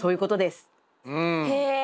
へえ。